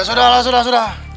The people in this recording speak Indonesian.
sudah lah sudah sudah